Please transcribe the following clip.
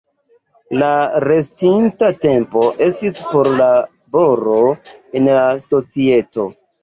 La restinta tempo estis por laboro en la societo.